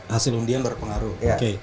hasil undian berpengaruh